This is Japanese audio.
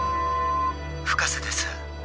☎「深瀬です」